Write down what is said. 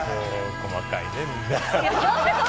細かいね、みんな。